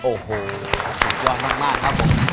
โอ้โหสุดยอดมากครับผม